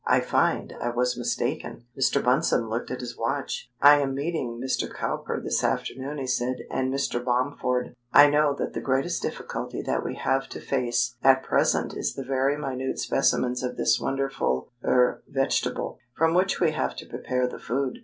I find I was mistaken." Mr. Bunsome looked at his watch. "I am meeting Mr. Cowper this afternoon," he said, "and Mr. Bomford. I know that the greatest difficulty that we have to face at present is the very minute specimens of this wonderful er vegetable, from which we have to prepare the food.